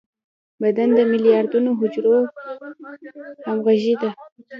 بدن د ملیاردونو حجرو همغږي ده.